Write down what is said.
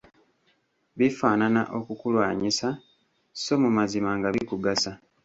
Bifanaana okukulwanyisa, sso mu mazima nga bikugasa.